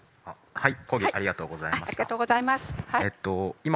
はい。